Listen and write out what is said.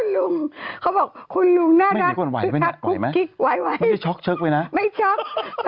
ลองพอต้องดังมาก